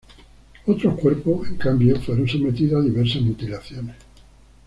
Otros cuerpos, en cambio, fueron sometidos a diversas mutilaciones.